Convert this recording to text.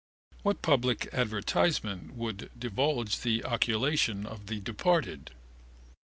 What public advertisement would divulge the occultation of the departed?